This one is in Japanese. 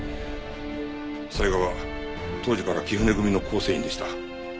才賀は当時から貴船組の構成員でした。